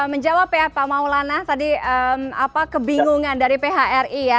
menjawab ya pak maulana tadi kebingungan dari phri ya